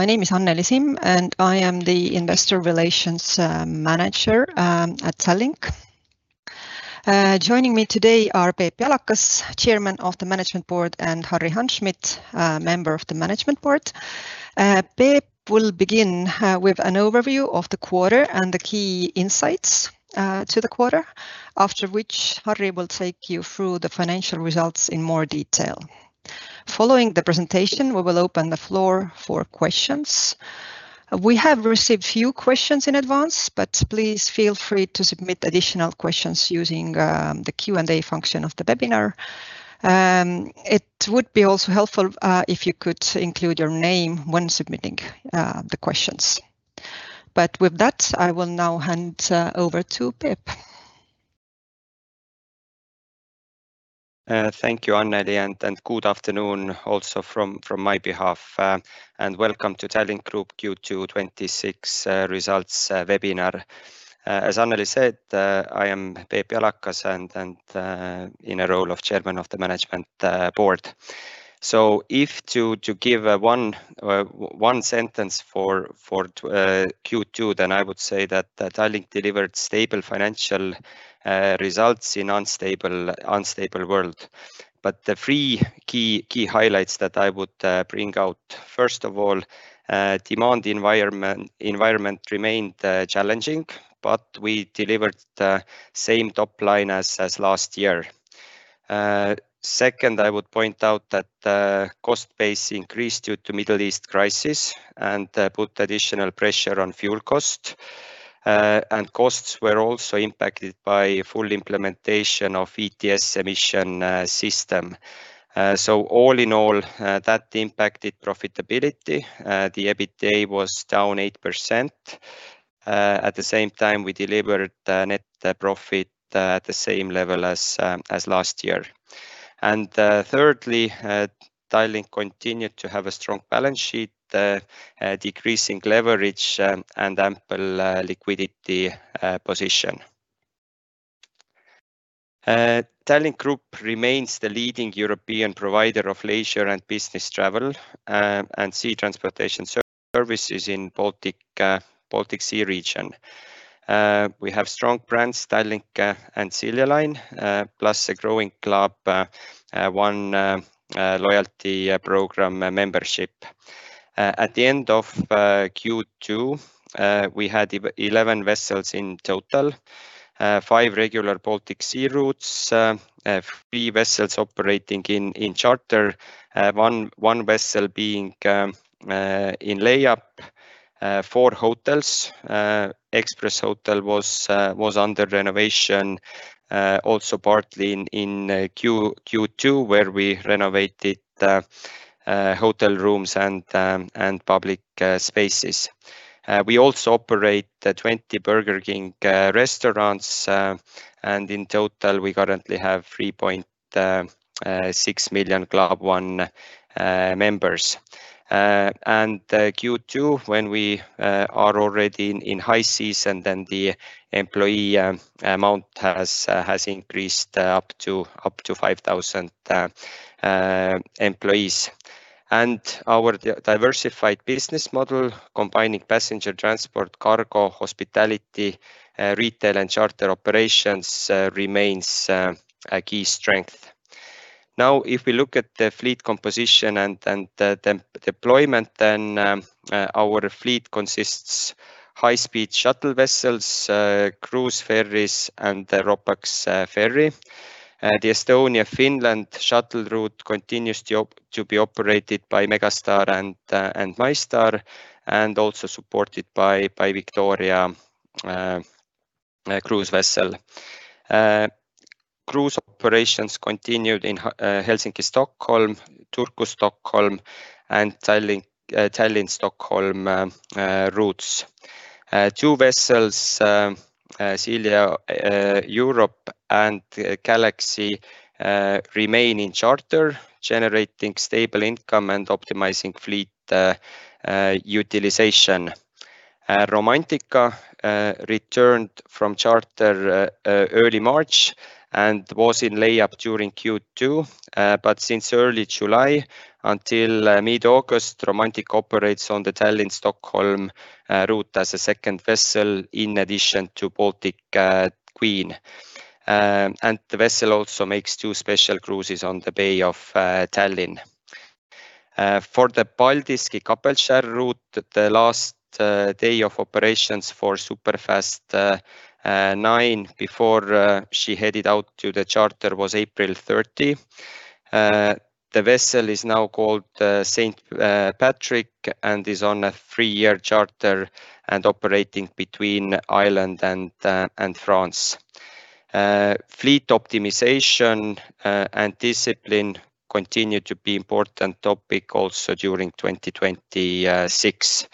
My name is Anneli Simm, and I am the Investor Relations Manager at Tallink. Joining me today are Peep Jalakas, Chairman of the Management Board, and Harri Hanschmidt, Member of the Management Board. Peep will begin with an overview of the quarter and the key insights to the quarter, after which Harri will take you through the financial results in more detail. Following the presentation, we will open the floor for questions. We have received few questions in advance, but please feel free to submit additional questions using the Q&A function of the webinar. It would be also helpful if you could include your name when submitting the questions. With that, I will now hand over to Peep. Thank you, Anneli, and good afternoon also from my behalf, and welcome to Tallink Grupp Q2 2026 results webinar. As Anneli said, I am Peep Jalakas and in the role of Chairman of the Management Board. If to give one sentence for Q2, I would say that Tallink delivered stable financial results in unstable world. The three key highlights that I would bring out, First of all, demand environment remained challenging, but we delivered the same top line as last year. Second, I would point out that cost base increased due to Middle East crisis and put additional pressure on fuel cost. Costs were also impacted by full implementation of ETS emission system. All in all, that impacted profitability. The EBITDA was down 8%. At the same time, we delivered net profit at the same level as last year. Thirdly, Tallink continued to have a strong balance sheet, decreasing leverage and ample liquidity position. Tallink Grupp remains the leading European provider of leisure and business travel, and sea transportation services in Baltic Sea region. We have strong brands, Tallink and Silja Line, plus a growing Club One loyalty program membership. At the end of Q2, we had 11 vessels in total, five regular Baltic Sea routes, three vessels operating in charter, one vessel being in layup, four hotels. Express Hotel was under renovation, also partly in Q2, where we renovated hotel rooms and public spaces. We also operate 20 Burger King restaurants. In total, we currently have 3.6 million Club One members. Q2, when we are already in high season, the employee amount has increased up to 5,000 employees. Our diversified business model, combining passenger transport, cargo, hospitality, retail, and charter operations remains a key strength. If we look at the fleet composition and the deployment, our fleet consists high-speed shuttle vessels, cruise ferries, and the Ro-Pax ferry. The Estonia-Finland shuttle route continues to be operated by Megastar and MyStar, and also supported by Victoria cruise vessel. Cruise operations continued in Helsinki-Stockholm, Turku-Stockholm, and Tallinn-Stockholm routes. Two vessels, Silja Europa and Galaxy remain in charter, generating stable income and optimizing fleet utilization. Romantika returned from charter early March and was in layup during Q2. Since early July until mid-August, Romantika operates on the Tallink-Stockholm route as a second vessel in addition to Baltic Queen. The vessel also makes two special cruises on the Bay of Tallinn. For the Paldiski-Kapellskär route, the last day of operations for Superfast IX before she headed out to the charter was April 30. The vessel is now called St Patrick and is on a three-year charter and operating between Ireland and France. Fleet optimization and discipline continue to be important topic also during 2026.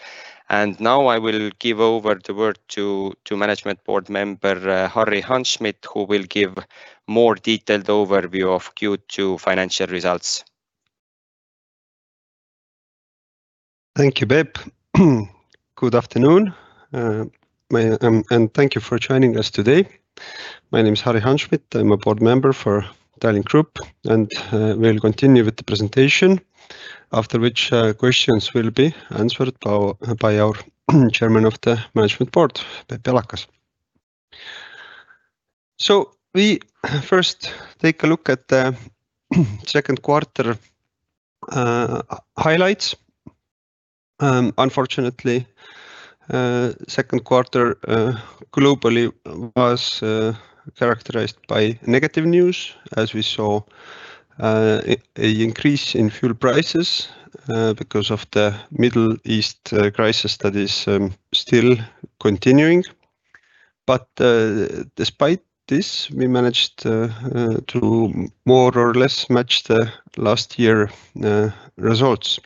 Now I will give over the word to management board member, Harri Hanschmidt, who will give more detailed overview of Q2 financial results. Thank you, Peep. Good afternoon, and thank you for joining us today My name is Harri Hanschmidt. I'm a board member for Tallink Grupp, and we'll continue with the presentation, after which questions will be answered by our chairman of the management board, Peep Jalakas. We first take a look at the second quarter highlights. Unfortunately, second quarter globally was characterized by negative news as we saw increase in fuel prices because of the Middle East crisis that is still continuing. Despite this, we managed to more or less match the last year results.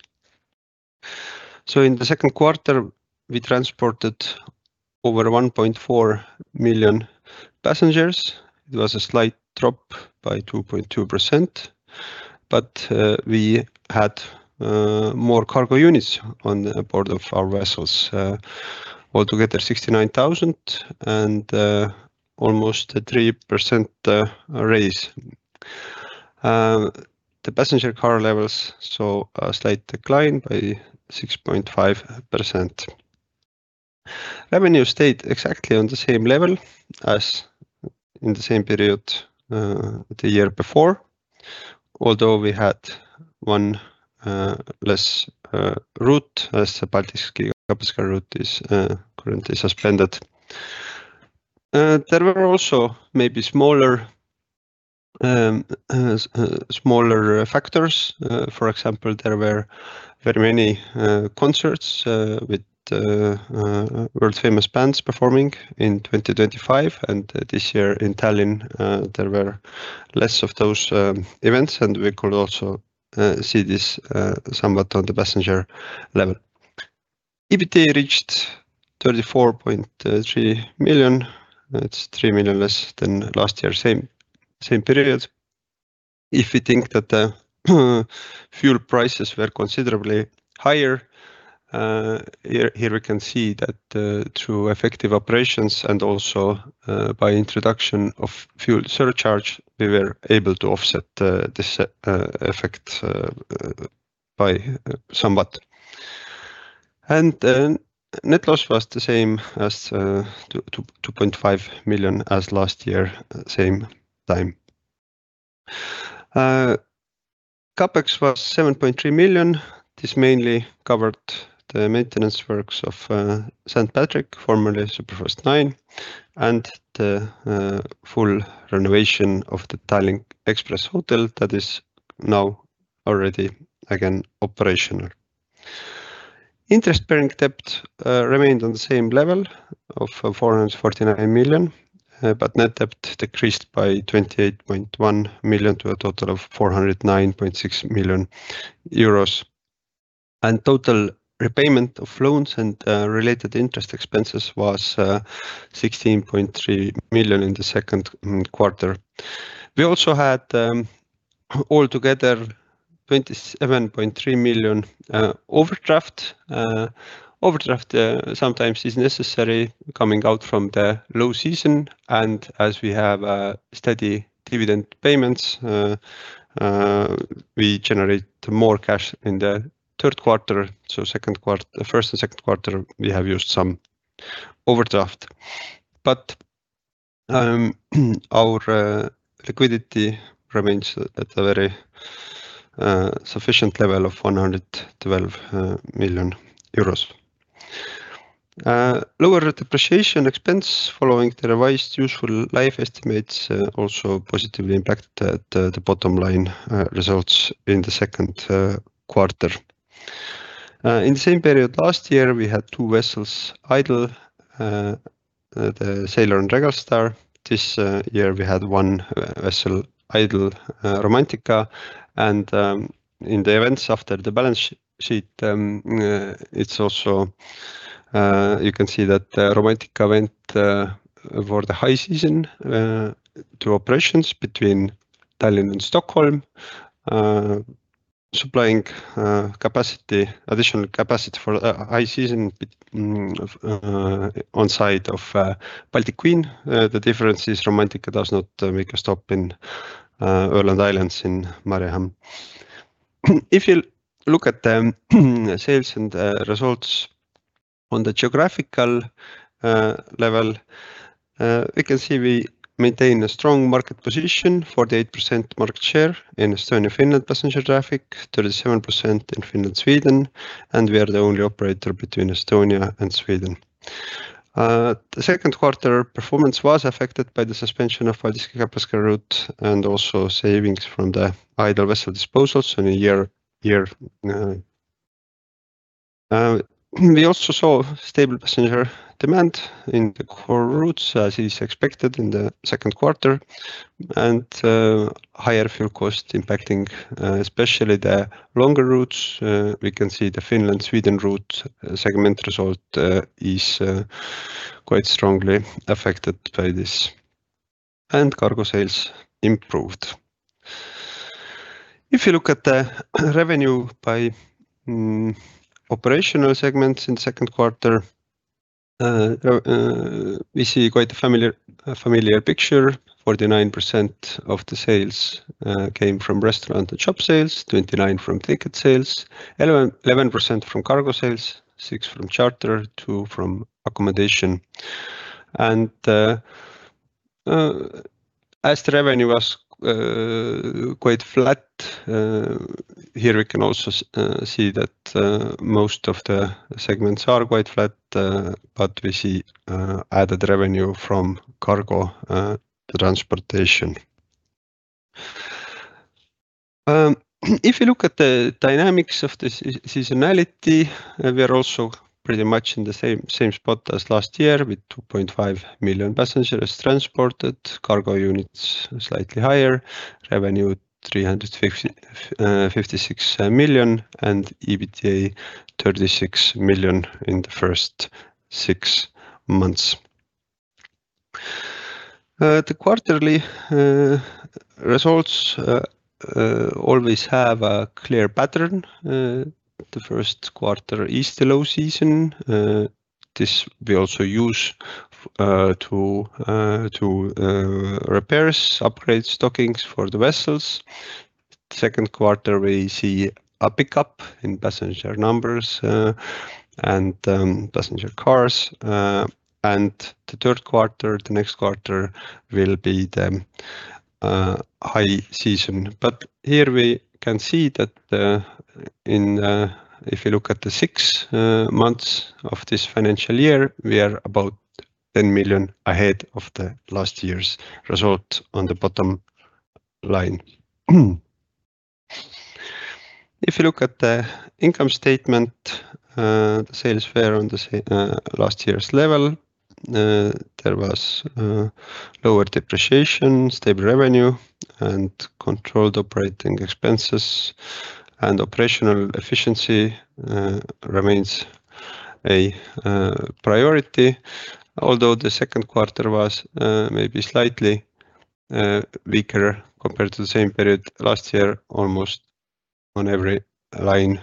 In the second quarter, we transported over 1.4 million passengers. It was a slight drop by 2.2%, but we had more cargo units on board of our vessels. Altogether, 69,000 and almost a 3% raise. The passenger car levels saw a slight decline by 6.5%. Revenue stayed exactly on the same level as in the same period the year before. Although we had one less route as the Baltic Sea route is currently suspended. There were also maybe smaller factors. For example, there were very many concerts with world-famous bands performing in 2025. This year in Tallink, there were less of those events, and we could also see this somewhat on the passenger level. EBITDA reached 34.3 million. That's 3 million less than last year same period. If we think that the fuel prices were considerably higher, here we can see that through effective operations and also by introduction of fuel surcharge, we were able to offset this effect by somewhat. Net loss was the same as 2.5 million as last year same time. CapEx was 7.3 million. This mainly covered the maintenance works of St Patrick, formerly Superfast IX, and the full renovation of the Tallink Express Hotel that is now already again operational. Interest-bearing debt remained on the same level of 449 million, net debt decreased by 28.1 million to a total of 409.6 million euros. Total repayment of loans and related interest expenses was 16.3 million in the second quarter. We also had altogether 27.3 million overdraft. Overdraft sometimes is necessary coming out from the low season. As we have steady dividend payments, we generate more cash in the third quarter. First and second quarter, we have used some overdraft. Our liquidity remains at a very sufficient level of 112 million euros. Lower depreciation expense following the revised useful life estimates also positively impacted the bottom line results in the second quarter. In the same period last year, we had two vessels idle, the Sailor and Regal Star. This year we had one vessel idle, Romantika, and in the events after the balance sheet, you can see that Romantika went for the high season to operations between Tallinn and Stockholm supplying additional capacity for high season on site of Baltic Queen. The difference is Romantika does not make a stop in Åland Islands in Mariehamn. If you look at the sales and results on the geographical level, we can see we maintain a strong market position, 48% market share in Estonia-Finland passenger traffic, 37% in Finland-Sweden, and we are the only operator between Estonia and Sweden. The second quarter performance was affected by the suspension of our Helsinki route and also savings from the idle vessel disposals on a year. We also saw stable passenger demand in the core routes, as is expected in the second quarter, and higher fuel cost impacting especially the longer routes. We can see the Finland-Sweden route segment result is quite strongly affected by this. Cargo sales improved If you look at the revenue by operational segments in Q2, we see quite a familiar picture. 49% of the sales came from restaurant and shop sales, 29% from ticket sales, 11% from cargo sales, 6% from charter, 2% from accommodation. As the revenue was quite flat, here we can also see that most of the segments are quite flat, but we see added revenue from cargo transportation. If you look at the dynamics of the seasonality, we are also pretty much in the same spot as last year, with 2.5 million passengers transported, cargo units slightly higher, revenue 356 million, and EBITDA 36 million in the first six months. The quarterly results always have a clear pattern. The first quarter is the low season. This we also use to repairs, upgrades, stockings for the vessels. Second quarter, we see a pickup in passenger numbers and passenger cars. The third quarter, the next quarter, will be the high season. Here we can see that if you look at the six months of this financial year, we are about 10 million ahead of the last year's result on the bottom line. If you look at the income statement, the sales were on the last year's level. There was lower depreciation, stable revenue, and controlled operating expenses, and operational efficiency remains a priority. Although the second quarter was maybe slightly weaker compared to the same period last year, almost on every line,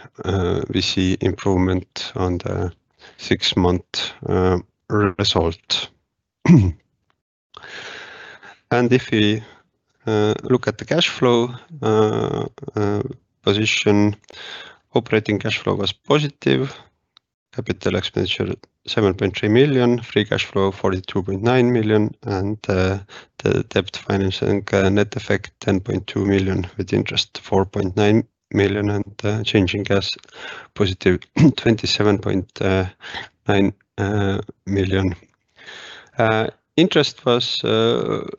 we see improvement on the six-month result. If we look at the cash flow position, operating cash flow was positive, CapEx 7.3 million, free cash flow 42.9 million, and the debt financing net effect 10.2 million, with interest 4.9 million and change in cash positive 27.9 million. Interest was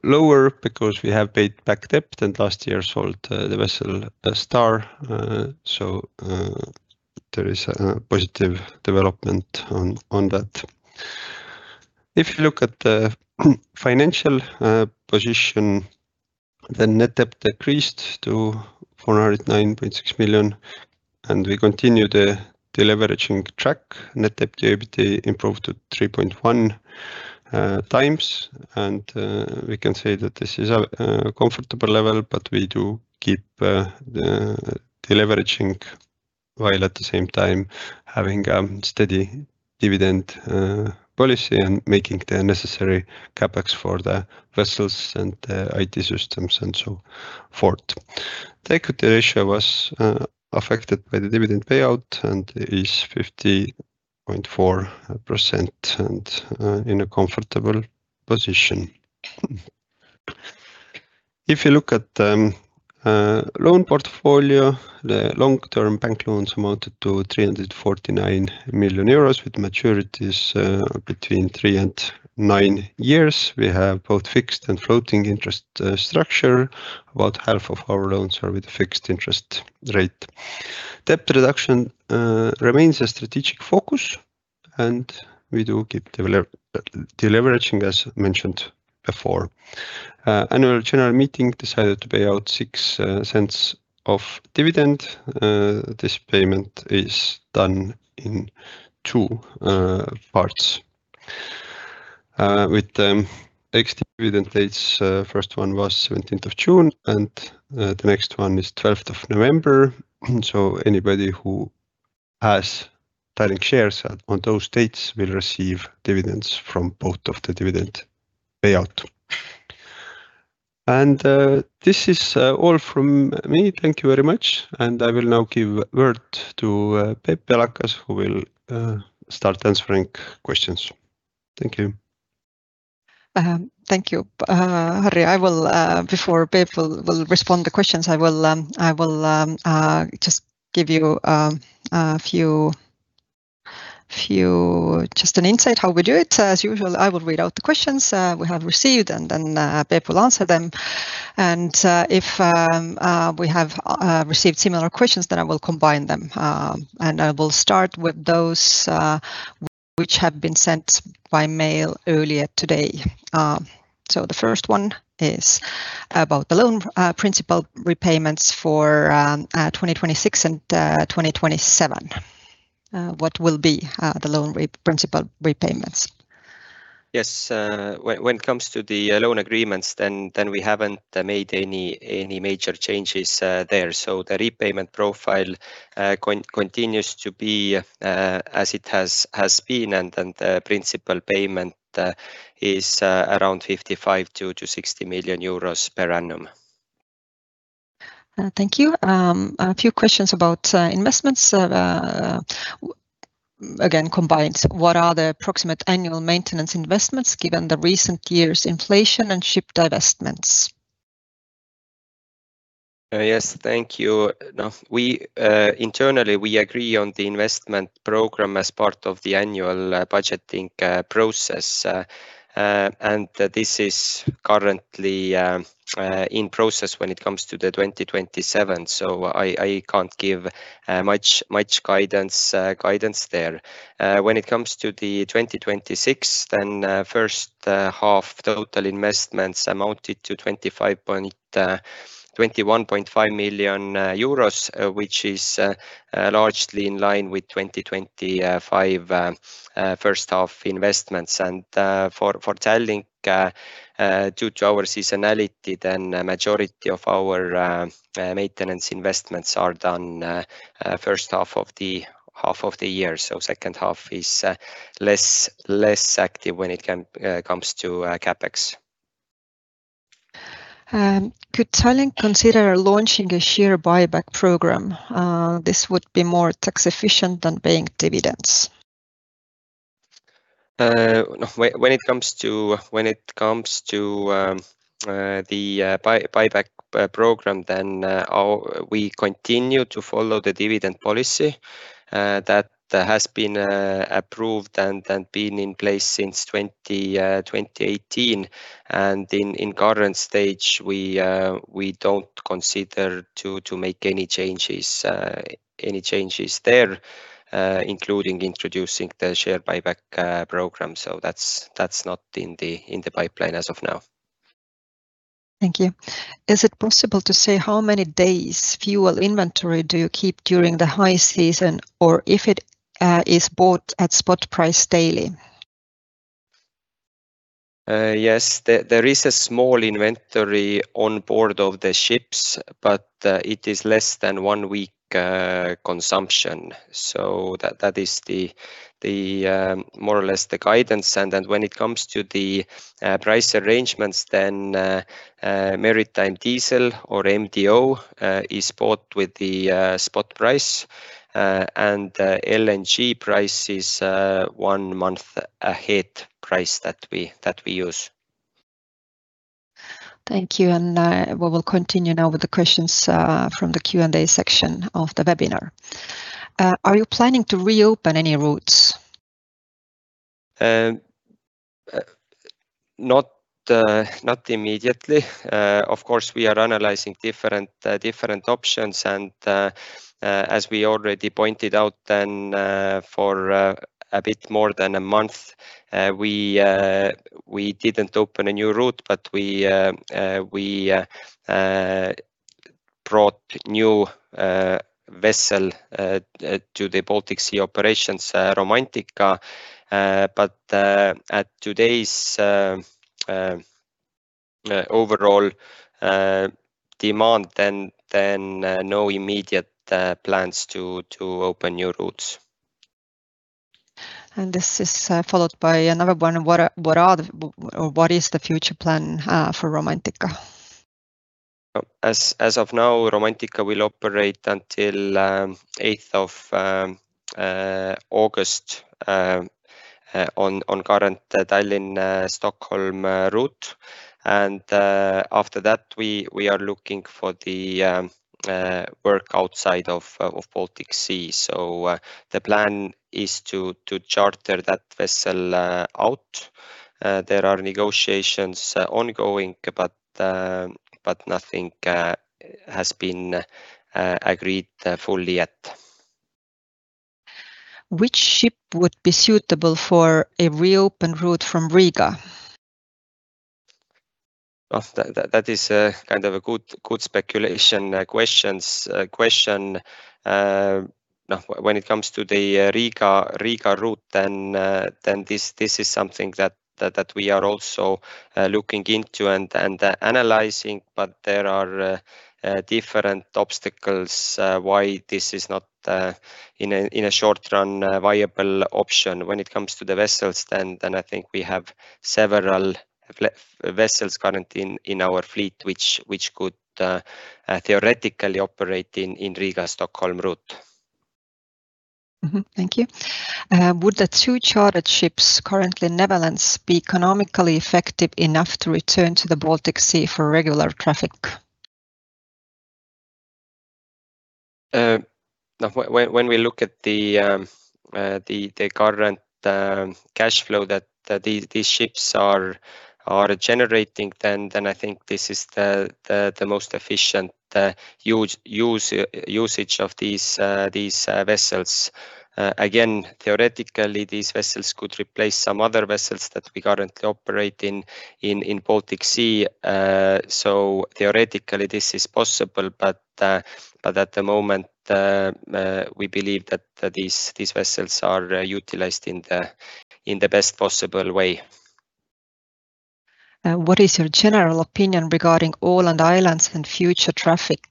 lower because we have paid back debt and last year sold the vessel Star, there is a positive development on that. If you look at the financial position, the net debt decreased to 409.6 million, we continue the deleveraging track. Net debt to EBITDA improved to 3.1x. We can say that this is a comfortable level, but we do keep deleveraging while at the same time having a steady dividend policy and making the necessary CapEx for the vessels and the IT systems and so forth. Equity ratio was affected by the dividend payout and is 50.4%. In a comfortable position, if you look at loan portfolio, the long-term bank loans amounted to 349 million euros with maturities between three and nine years. We have both fixed and floating interest structure. About half of our loans are with fixed interest rate. Debt reduction remains a strategic focus. We do keep deleveraging, as mentioned before. Annual general meeting decided to pay out 0.06 of dividend. This payment is done in two parts. With ex-dividend dates, first one was 17th of June. The next one is 12th of November. Anybody who has Tallink shares on those dates will receive dividends from both of the dividend payout. This is all from me. Thank you very much. I will now give word to Peep Jalakas, who will start answering questions. Thank you. Thank you, Harri. Before Peep will respond the questions, I will just give you an insight how we do it. As usual, I will read out the questions we have received. Peep will answer them. If we have received similar questions, I will combine them. I will start with those which have been sent by mail earlier today. The first one is about the loan principal repayments for 2026 and 2027. What will be the loan principal repayments? Yes. When it comes to the loan agreements, we haven't made any major changes there. The repayment profile continues to be as it has been. The principal payment is around 55 million-60 million euros per annum. Thank you. A few questions about investments, again, combined. What are the approximate annual maintenance investments given the recent years' inflation and ship divestments? Yes. Thank you. Internally, we agree on the investment program as part of the annual budgeting process. This is currently in process when it comes to 2027. I can't give much guidance there. When it comes to 2026, first half total investments amounted to 21.5 million euros, which is largely in line with 2025 first half investments. For Tallink, due to our seasonality, the majority of our maintenance investments are done first half of the year. Second half is less active when it comes to CapEx. Could Tallink consider launching a share buyback program? This would be more tax efficient than paying dividends. When it comes to the buyback program, we continue to follow the dividend policy that has been approved and been in place since 2018. In current stage, we don't consider to make any changes there, including introducing the share buyback program. That's not in the pipeline as of now. Thank you. Is it possible to say how many days fuel inventory do you keep during the high season, or if it is bought at spot price daily? Yes, there is a small inventory on board of the ships, but it is less than one week consumption. That is more or less the guidance. When it comes to the price arrangements, then maritime diesel or MDO is bought with the spot price, and LNG price is one month ahead price that we use. Thank you. We will continue now with the questions from the Q&A section of the webinar. Are you planning to reopen any routes? Not immediately. Of course, we are analyzing different options and as we already pointed out, for a bit more than a month, we didn't open a new route, but we brought a new vessel to the Baltic Sea operations, Romantika. At today's overall demand, no immediate plans to open new routes. This is followed by another one. What is the future plan for Romantika? As of now, Romantika will operate until 8th of August on current Tallinn-Stockholm route. After that, we are looking for the work outside of Baltic Sea. The plan is to charter that vessel out. There are negotiations ongoing, nothing has been agreed fully yet. Which ship would be suitable for a reopened route from Riga? That is a good speculation question. When it comes to the Riga route, this is something that we are also looking into and analyzing. There are different obstacles why this is not, in a short run, a viable option. When it comes to the vessels, I think we have several vessels currently in our fleet, which could theoretically operate in Riga-Stockholm route. Thank you. Would the two chartered ships currently in Netherlands be economically effective enough to return to the Baltic Sea for regular traffic? We look at the current cash flow that these ships are generating, this is the most efficient usage of these vessels. Again, theoretically, these vessels could replace some other vessels that we currently operate in Baltic Sea. Theoretically, this is possible, but at the moment, we believe that these vessels are utilized in the best possible way What is your general opinion regarding Åland Islands and future traffic?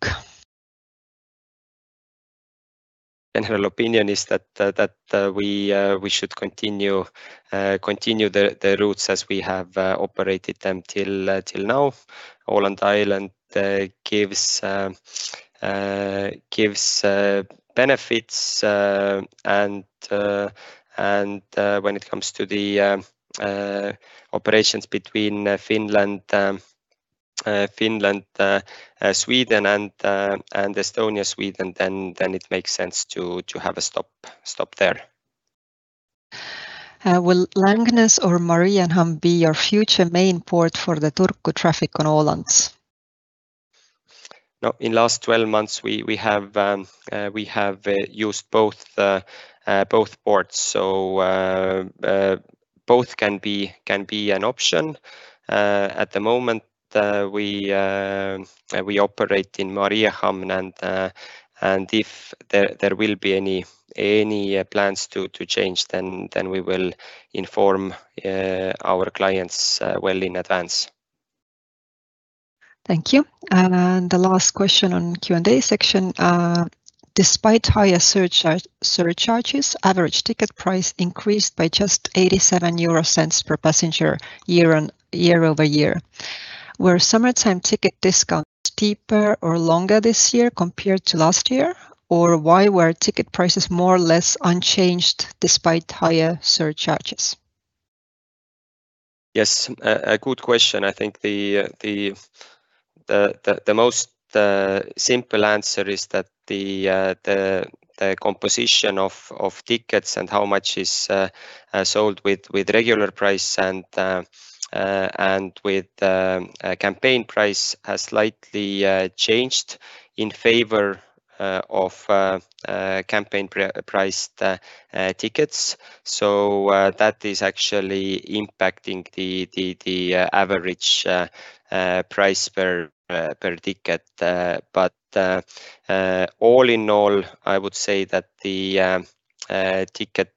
General opinion is that we should continue the routes as we have operated them till now. Åland Islands gives benefits, when it comes to the operations between Finland-Sweden and Estonia-Sweden, it makes sense to have a stop there. Will Långnäs or Mariehamn be your future main port for the Turku traffic on Åland? No. In last 12 months, we have used both ports. Both can be an option. At the moment, we operate in Mariehamn. If there will be any plans to change, we will inform our clients well in advance. Thank you. The last question on Q&A section. Despite higher surcharges, average ticket price increased by just 0.87 per passenger year-over-year. Were summertime ticket discounts deeper or longer this year compared to last year? Why were ticket prices more or less unchanged despite higher surcharges? Yes, a good question. I think the most simple answer is that the composition of tickets and how much is sold with regular price and with campaign price has slightly changed in favor of campaign priced tickets. That is actually impacting the average price per ticket. All in all, I would say that the ticket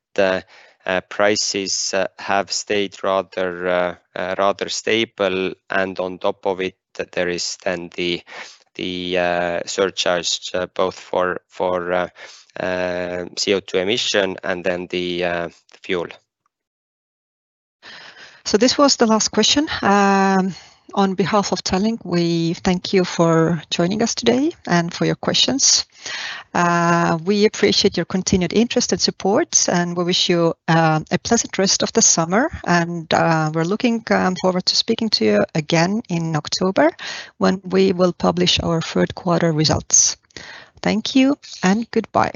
prices have stayed rather stable and on top of it, there is the surcharge both for CO2 emission and the fuel. This was the last question. On behalf of Tallink, we thank you for joining us today and for your questions. We appreciate your continued interest and support, and we wish you a pleasant rest of the summer. We're looking forward to speaking to you again in October when we will publish our third quarter results. Thank you and goodbye